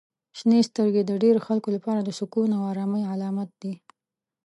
• شنې سترګې د ډیری خلکو لپاره د سکون او آرامۍ علامت دي.